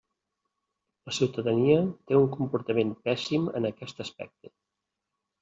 La ciutadania té un comportament pèssim en aquest aspecte.